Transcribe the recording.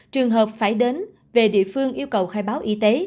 trường hợp phải đến về địa phương yêu cầu khai báo y tế